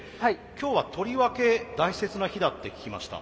今日はとりわけ大切な日だって聞きました。